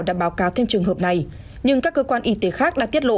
đã báo cáo thêm trường hợp này nhưng các cơ quan y tế khác đã tiết lộ